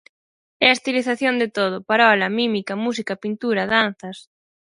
É a estilización de todo: parola, mímica, música, pintura, danzas.